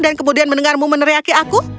dan kemudian mendengarmu meneriaki aku